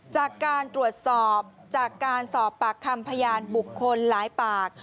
จากการตรวจสอบจากการสอบปากคำพยานบุคคลหลายปาก